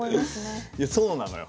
いやそうなのよ。